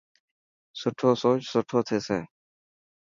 سٺو سوچ سٺو ٿيسي.